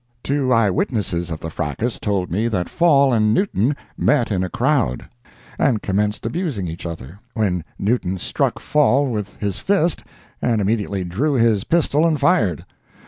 Two eye witnesses of the fracas told me that Fall and Newton met in a crowd, and commenced abusing each other, when Newton struck Fall with his fist, and immediately drew his pistol and fired.